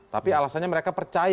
tapi alasannya mereka percaya